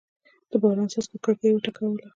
د باران څاڅکو کړکۍ وټکوله.